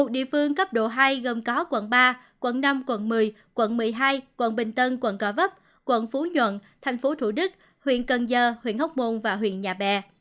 một mươi một địa phương cấp độ hai gồm có quận ba quận năm quận một mươi quận một mươi hai quận bình tân quận cỏ vấp quận phú nhuận tp hcm huyện cần giơ huyện hốc môn và huyện nhà bè